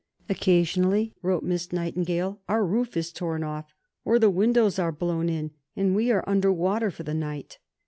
"Occasionally," wrote Miss Nightingale, "our roof is torn off, or the windows are blown in, and we are under water for the night."